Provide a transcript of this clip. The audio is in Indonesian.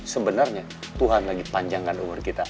sebenarnya tuhan lagi panjangkan umur kita